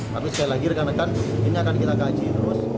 tapi sekali lagi rekan rekan ini akan kita kaji terus